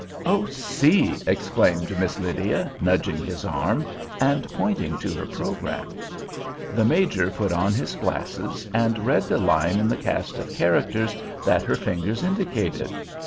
"Oh, see!" exclaimed Miss Lydia, nudging his arm, and pointing to her program. The Major put on his glasses and read the line in the cast of characters that her fingers indicated.